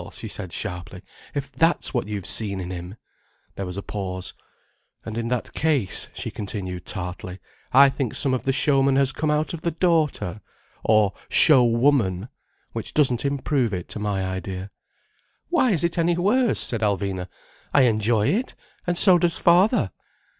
she said sharply. "If that's what you've seen in him!"—there was a pause. "And in that case," she continued tartly, "I think some of the showman has come out in his daughter! or show woman!—which doesn't improve it, to my idea." "Why is it any worse?" said Alvina. "I enjoy it—and so does father."